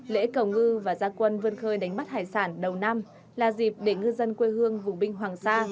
lễ cầu ngư và gia quân vươn khơi đánh bắt hải sản đầu năm là dịp để ngư dân quê hương vùng binh hoàng sa